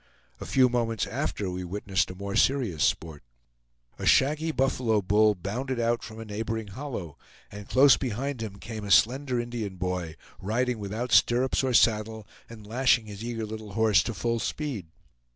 A few moments after we witnessed a more serious sport. A shaggy buffalo bull bounded out from a neighboring hollow, and close behind him came a slender Indian boy, riding without stirrups or saddle and lashing his eager little horse to full speed.